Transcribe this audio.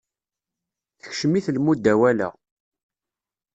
Tekcem-it lmudawala.